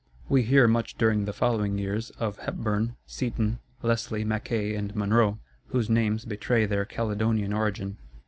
We hear much during the following years, of Hepburn, Seaton, Leslie, Mackay, and Monroe, whose names betray their Caledonian origin.